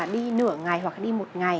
đi nửa ngày hoặc đi một ngày